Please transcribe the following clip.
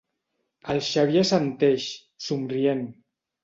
El Xavier assenteix, somrient.